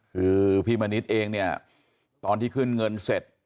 คือพี่มณิษฐ์เองเนี่ยตอนที่ขึ้นเงินเสร็จ